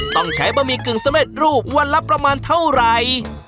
ต้องใช้บะหมี่กึ่งสำเร็จรูปวันละประมาณเท่าไหร่